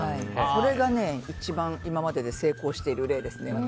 それが一番今までで成功している例ですね。